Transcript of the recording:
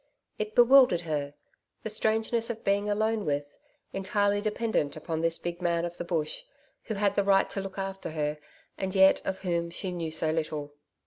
It bewildered her the strangeness of being alone with, entirely dependent upon this big man of the Bush, who had the right to look after her, and yet of whom she knew so little.